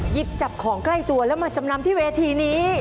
หยิบจับของใกล้ตัวแล้วมาจำนำที่เวทีนี้